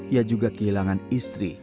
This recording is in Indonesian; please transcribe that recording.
ia juga kehilangan istri